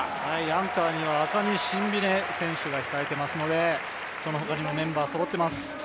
アンカーにはアカニ・シンビネ選手が控えてますのでそのほかにもメンバーがそろっています。